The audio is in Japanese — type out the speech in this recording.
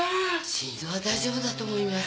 心臓は大丈夫だと思います。